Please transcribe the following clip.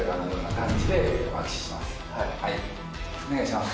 お願いします。